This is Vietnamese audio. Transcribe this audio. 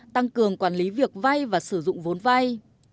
tăng cường quản lý việc vai và sử dụng vốn vai